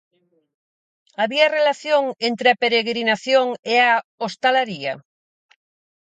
Había relación entre a peregrinación e a hostalaría?